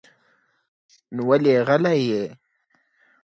نو ولې غلی يې؟